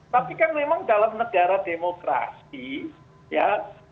tapi kan memang dalam negara demokrasi ya